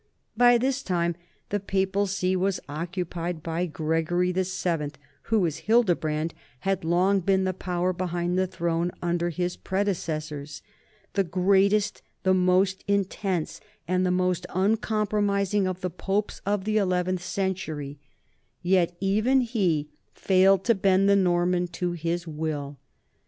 By this time the papal see was occu pied by Gregory VII, who as Hildebrand had long been the power behind the throne under his predecessors, the greatest, the most intense, and the most uncompromis ing of the Popes of the eleventh century; yet even he THE NORMANS IN THE SOUTH 205 failed to bend the Norman to his will.